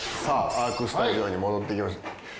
アークスタジオに戻ってきました。